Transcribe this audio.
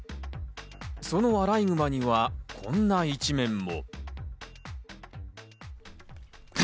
そのアライグマには、こんな一面も。